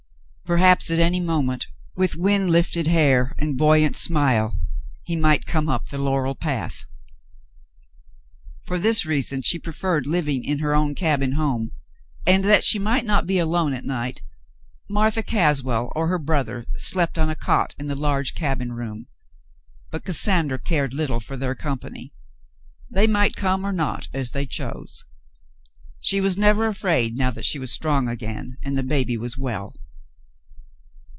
Per haps at any moment, with wind lifted hair and buoyant smile, he might come up the laurel path. For this reason she preferred living in her own cabin home, and, that she might not be alone at night, Martha Caswell or her brother slept on a cot in the large cabin room, but Cassandra cared little for their company. They might come or not as they chose. She was never afraid now that she was strong again and baby was well.